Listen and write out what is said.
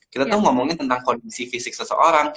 kita tuh ngomongin tentang kondisi fisik seseorang